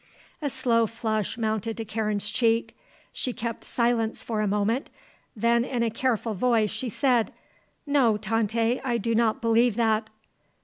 A slow flush mounted to Karen's cheek. She kept silence for a moment, then in a careful voice she said: "No, Tante; I do not believe that."